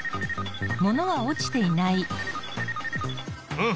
うん！